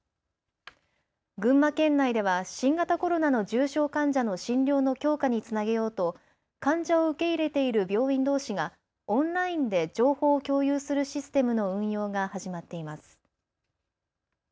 群馬県内では新型コロナの重症患者の診療の強化につなげようと患者を受け入れている病院どうしがオンラインで情報を共有するシステムの運用が始まっています。